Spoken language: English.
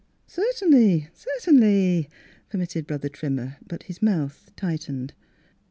" Certainly, certainly," permitted Brother Trimmer : but his mouth tight ened.